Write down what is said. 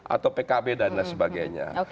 atau pkb dan lain sebagainya